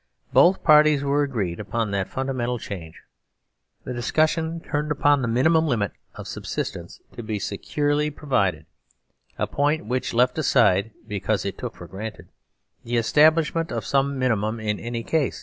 Both parties were agreed upon that funda mental change. Thediscussion turnedupon the mini mum limit of subsistence to be securely provided, a point which left aside, because it took for granted, the establishment of some minimum in any case.